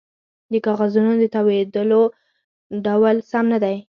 د کاغذونو د تاویدو ډول سم نه دی